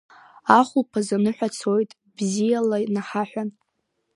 Ахәылԥаз аныҳәа цоит, бзиала наҳаҳәан.